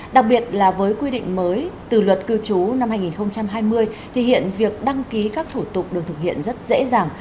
đặc biệt là với quy định mới từ luật cư trú năm hai nghìn hai mươi thì hiện việc đăng ký các thủ tục được thực hiện rất dễ dàng